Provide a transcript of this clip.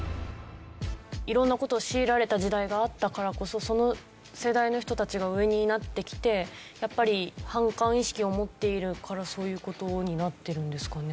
色んな事を強いられた時代があったからこそその世代の人たちが上になってきてやっぱり反感意識を持っているからそういう事になってるんですかね？